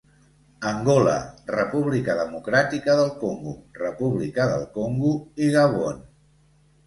Angola, República Democràtica del Congo, República del Congo i Gabon.